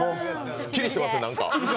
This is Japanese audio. すっきりしてますね、なんか。